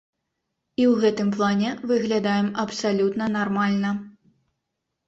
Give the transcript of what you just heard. І ў гэтым плане выглядаем абсалютна нармальна.